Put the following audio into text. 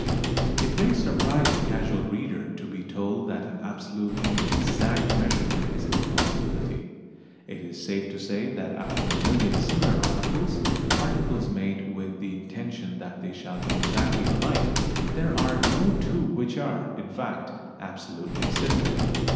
It may surprise the casual reader to be told that an absolutely exact measurement is an impossibility. It is safe to say that out of a million similar articles articles made with the intention that they shall be exactly alike there are no two which are, in fact, absolutely similar.